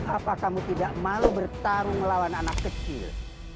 apa kamu tidak malu bertarung melawan anak kecil